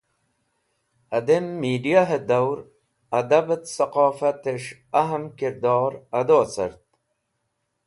Hadem mediahe daur, Adab et Saqofat es̃h ahm kirdor ado cart.